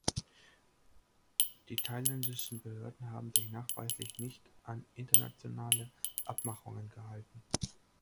Die thailändischen Behörden haben sich nachweislich nicht an internationale Abmachungen gehalten.